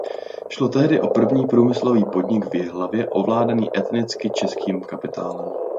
Šlo tehdy o první průmyslový podnik v Jihlavě ovládaný etnicky českým kapitálem.